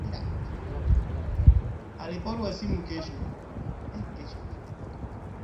Alipowasili kwa helikopta katika mji huo akitokea Barcelona Hispania